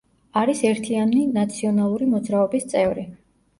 არის ერთიანი ნაციონალური მოძრაობის წევრი.